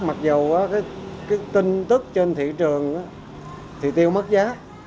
mặc dù cái tin tức trên thị trường thì tiêu mất giá